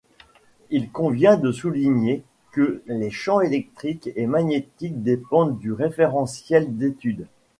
Il convient de souligner que les champs électrique et magnétique dépendent du référentiel d'étude.